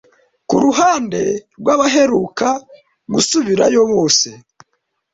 kuruhande rwabaheruka gusubirayo bose